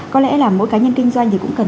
có lẽ là mỗi cá nhân kinh doanh thì cũng cần